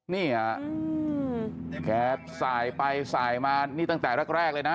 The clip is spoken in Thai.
เนี่ยแกสายไปสายมานี่ตั้งแต่แรกเลยนะ